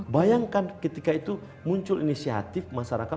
bayangkan ketika itu muncul inisiatif masyarakat